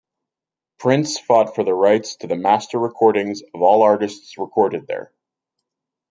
Prince fought for the rights to the master recordings of all artists recorded there.